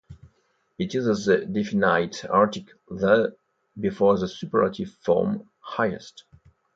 It uses the definite article "the" before the superlative form "highest".